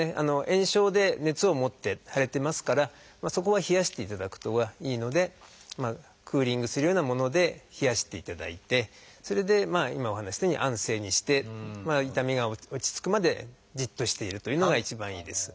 炎症で熱を持って腫れてますからそこは冷やしていただくのがいいのでクーリングするようなもので冷やしていただいてそれで今お話ししたように安静にして痛みが落ち着くまでじっとしているというのが一番いいです。